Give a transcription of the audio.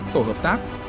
tổ hợp tác